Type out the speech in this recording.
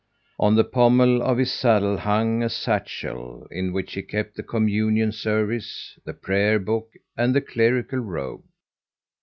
On the pommel of his saddle hung a satchel in which he kept the communion service, the Prayer book, and the clerical robe.